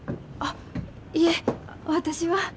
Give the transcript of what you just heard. あっいえ私は。